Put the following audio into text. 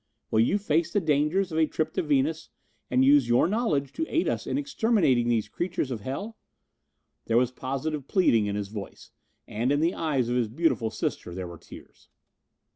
Will you face the dangers of a trip to Venus and use your knowledge to aid us in exterminating these creatures of hell?" There was positive pleading in his voice, and in the eyes of his beautiful sister there were tears.